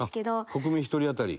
国民１人あたり？